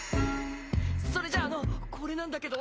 それじゃあのこれなんだけど。